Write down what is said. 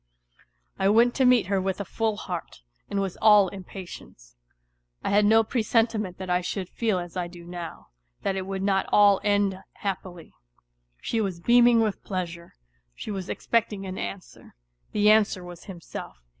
.. I went to meet her with a full heart, and was all impatience. I had no presentiment that I should feel as I do now, that it would not all end happily. She was beaming with pleasure; she was expecting an answer. The answer was himself.